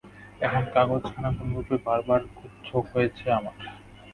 এখন কাগজখানা কোনরূপে বার করবার খুব ঝোঁক হয়েছে আমার।